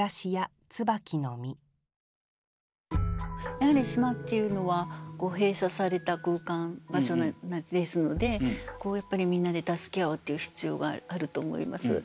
やはり島っていうのは閉鎖された空間場所ですのでみんなで助け合うっていう必要があると思います。